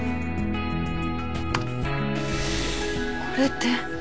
これって。